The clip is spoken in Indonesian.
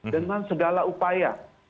dengan segala upaya